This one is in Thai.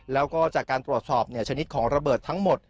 แล้วก็จากการตรวจสอบชนิดของระเบิดทั้งหมด